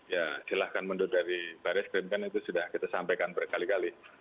ya silahkan mundur dari baris krim kan itu sudah kita sampaikan berkali kali